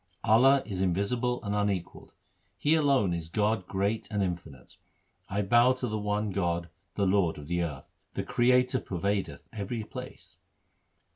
Allah is invisible and unequalled ; He alone is God great and infinite. I bow to the one God, the Lord of the earth : The Creator pervadeth every place.